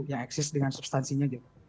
yang eksis dengan substansinya